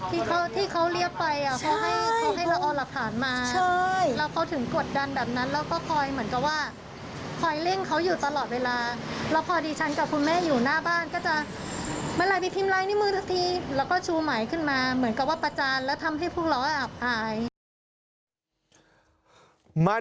ที่เขาเรียบไปเขาให้เราเอาหลักฐานมา